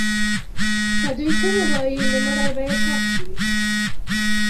که دوی ښه ووایي، نو مړی به یې ښخ سي.